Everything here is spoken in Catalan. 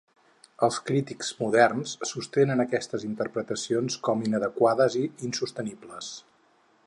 Els crítics moderns sostenen aquestes interpretacions com inadequades i insostenibles.